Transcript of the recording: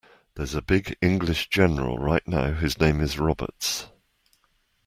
There's a big English general right now whose name is Roberts.